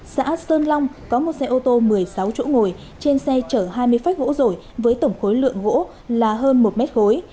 xã sơn long có một xe ô tô một mươi sáu chỗ ngồi trên xe chở hai mươi phách gỗ rổi với tổng khối lượng gỗ là hơn một mét khối